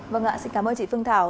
vâng ạ xin cảm ơn chị phương thảo